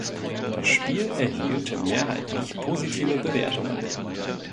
Das Spiel erhielt mehrheitlich positive Bewertungen.